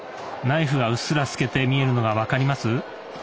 ナイフがうっすら透けて見えるのが分かります？